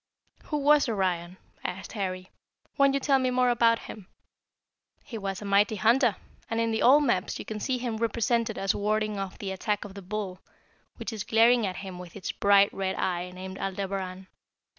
"Who was Orion?" asked Harry. "Won't you tell me more about him?" "He was a mighty hunter, and in the old maps you can see him represented as warding off the attack of the Bull, which is glaring at him with its bright red eye named Aldebaran.